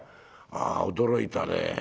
ああ驚いたね。